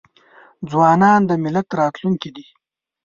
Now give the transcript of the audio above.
ځوانان د ملت راتلونکې دي.